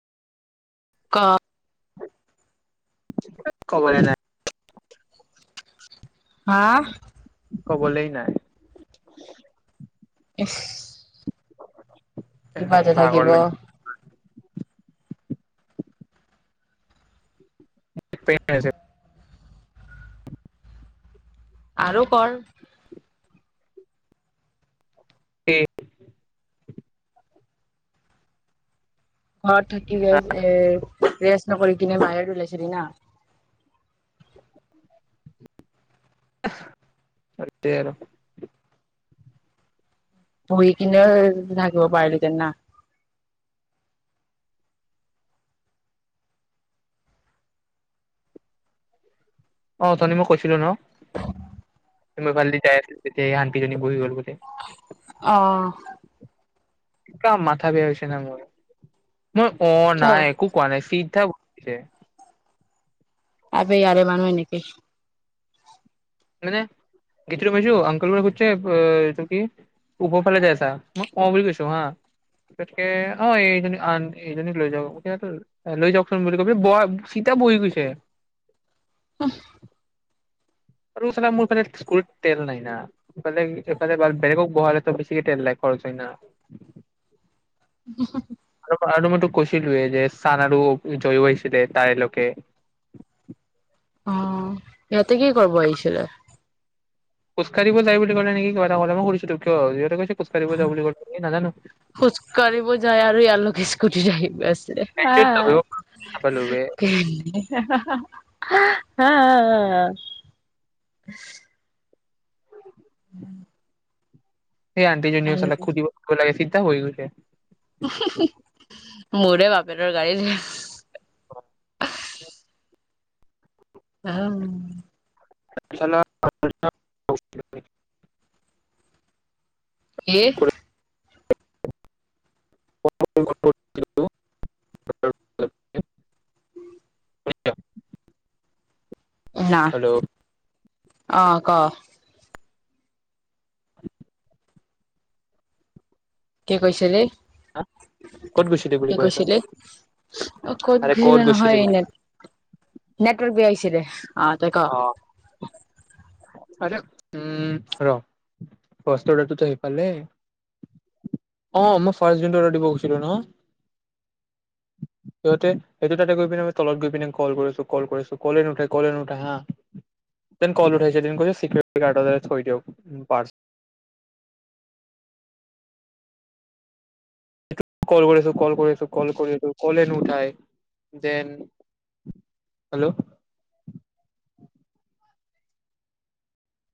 ক কবলে নাই। হা? কবলেই নাই। ইছ! [inaudible] কিবা যে ভাগৰ থাকিব। [unintelligible] আৰু কৰ। কি ঘৰত থাকি গৈ এ ৰেষ্ট ন কৰি কিনে বাহিৰত ওলাইছিলি না সেইটোৱে আৰু বহি কিনে থাকিব পাৰিলোহেঁতেন না। অ উঠনি মই কৈছিলো ন মই ভাল যাই আ তেতিয়া শান্তিজনী বহি গল বোলে। অ। অনকা মাথা বেযা হৈছে ন মোৰ মই অ কিয় নাই একো কোৱা নাই চি। ক ইয়াৰো মানোহ এনেকেই মানে গেটটো পাইছোঁ আনকুলে শুধিছে সেইটো কি ওপৰ ফালে যাই আছা মই অ বুলি কৈছো হা তছকে অ এইন এইজনীক লৈ যাও লৈ যাওকচোন বুলি কৈ চিতা বহি গৈছে। উ। আৰু সালা মোৰফালে স্কুলত তেল নাই নফালে এইফালে বেলেগক বহালে হেঁতেন বেছিকে তেল লাই খৰচ হয় ন উ। আৰু আৰু মইতো কৈছিলো যে চাৰ আৰু জয়ীও হৈছিলে তাইলৈকে অ ইয়াতে কি কৰব আহিছিলে। খোজকাঢ়িব যায় বুলি কলে নেকি ক ক কৰিছো, মই সুধিছোঁ টো কিঅ? খোজ কাঢ়িব ঢ়িব যায় আৰু ইয়ালোকে স্কুটি আহিব আছে হ। সেইটোৱেতো গম নাপালো বে হা সেই আন্তি জনি চালাক সুধিব লাগে । হৈ গৈছে মোৰে বাপেৰ গাড়ী আ আহম [unintelligible] কি? [unintelligible] [inaudible] [unintelligible] শুনিছ? আহ অ ক কি কৈছিলি? ক'ত গৈছিলি বুলি কি কৈ আছ কৈছিলি অ ক'ত আৰে গুছিলে গৈছিলি নহয় বুলি ন ক নেটৱৰ্ক বেয়াছিল । চি দে অ তই ক? অ উম ৰ আহিালেই অ মইাৰ অ দিব খুজো ন সিহতে সটো তাতে গৈ পিনে তলত গৈ পিনে কৰিছো ক [unintelligible] ল কৰিছ কলে নুঠ কলে [unintelligible] কল উঠাইছে এদিন চিক্ৰেট [unintelligible] থৈ দিয়ক পাৰ্ট কল কৰিছো কল কৰিছো কল কৰি আছো কলেই নুঠাই দেন, হেল্ল'